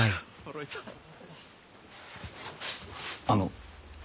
あの。